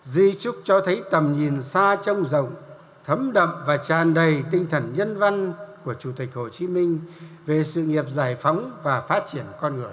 di trúc cho thấy tầm nhìn xa trông rộng thấm đậm và tràn đầy tinh thần nhân văn của chủ tịch hồ chí minh về sự nghiệp giải phóng và phát triển con người